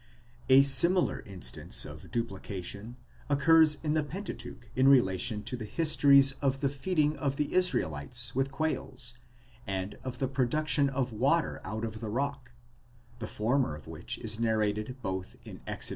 A similar instance of duplication occurs in the Pentateuch in rela tion to the histories of the feeding of the Israelites with quails, and of the production of water out of the rock, the former of which is narrated both in Exod.